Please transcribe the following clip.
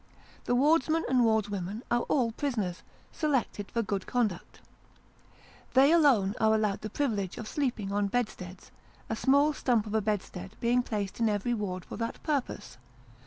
The wardsmen and wardswomen are all prisoners, selected for good conduct. They alone are allowed the privilege of sleeping on bedsteads ; a small stump bedstead being placed in every ward for that purpose.